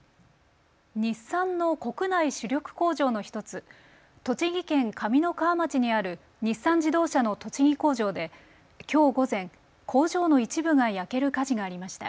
日産の国内主力工場の１つ、栃木県上三川町にある日産自動車の栃木工場できょう午前、工場の一部が焼ける火事がありました。